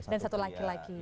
dan satu laki laki